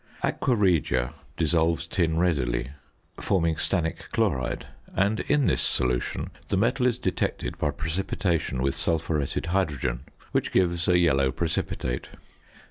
Aqua regia dissolves tin readily, forming stannic chloride, and in this solution the metal is detected by precipitation with sulphuretted hydrogen, which gives a yellow precipitate.